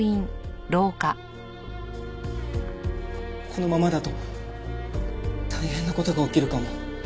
このままだと大変な事が起きるかも。